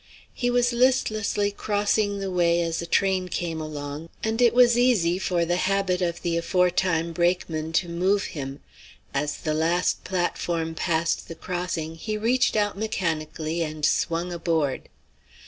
He was listlessly crossing the way as a train came along, and it was easy for the habit of the aforetime brakeman to move him. As the last platform passed the crossing, he reached out mechanically and swung aboard.